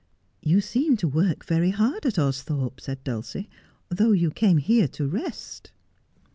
'You seem to work very hard at Austhorpe,' said Dulcie, ' though you came here to rest.'